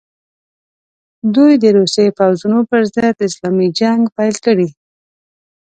دوی د روسي پوځونو پر ضد اسلامي جنګ پیل کړي.